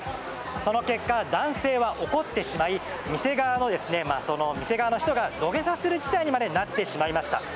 その結果、男性は怒ってしまい店側の人が土下座する事態までなってしまいました。